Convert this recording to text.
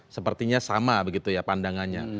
sepertinya sama begitu ya pandangannya